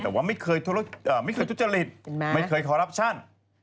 แต่ว่าไม่เคยทุจริตไม่เคยคอรัปชั่น